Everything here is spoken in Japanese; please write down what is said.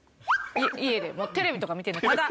家でテレビとか見てないただ。